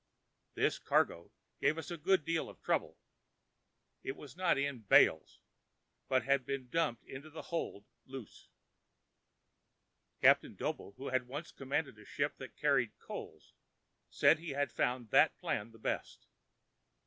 This cargo gave us a good deal of trouble. It was not in bales, but had been dumped into the hold loose. Captain Doble, who had once commanded a ship that carried coals, said he had found that plan the best.